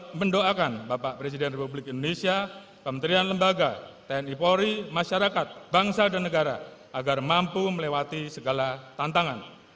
saya mendoakan bapak presiden republik indonesia kementerian lembaga tni polri masyarakat bangsa dan negara agar mampu melewati segala tantangan